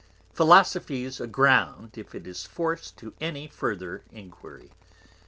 Philosophy's a ground if it is forc'd to any further Enquiry.